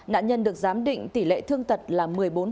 nạn nhân được giám định tỷ lệ thương tật là một mươi bốn